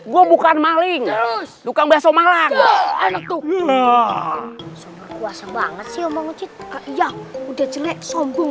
gua bukan maling terus dukang belas omanglang enak tuh kuasa banget sih udah jelek sombong